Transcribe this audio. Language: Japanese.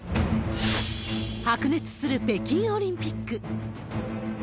白熱する北京オリンピック。